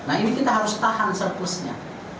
nah ini kita harus tahan surplusnya